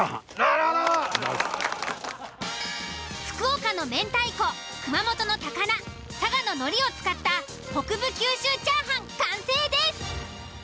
福岡の明太子熊本の高菜佐賀の海苔を使った北部九州チャーハン完成です。